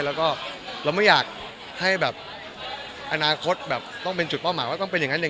แล้วก็เราไม่อยากให้แบบอนาคตแบบต้องเป็นจุดเป้าหมาย